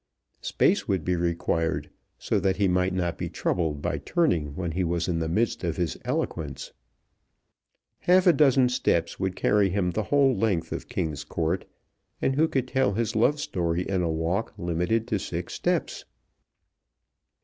Space would be required, so that he might not be troubled by turning when he was in the midst of his eloquence. Half a dozen steps would carry him the whole length of King's Court; and who could tell his love story in a walk limited to six steps?